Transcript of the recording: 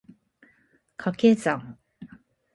掛け算